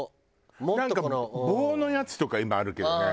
なんか棒のやつとか今あるけどね。